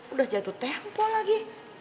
udah jatuh tempo lagi